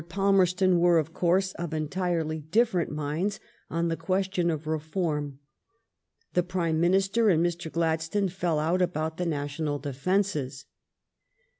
Palmetston wera, of ooarse» of enliiely different mind» on the qaestion of Baform ; the Prime Minister and Mr» Gladstone fell oat about tbe national deCmoes.